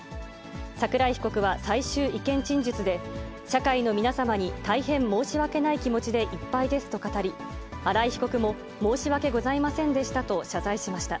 桜井被告は最終意見陳述で、社会の皆様に大変申し訳ない気持ちでいっぱいですと語り、新井被告も、申し訳ございませんでしたと謝罪しました。